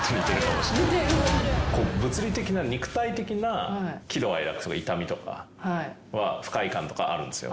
物理的な肉体的な喜怒哀楽とか痛みとか不快感とかはあるんですよ。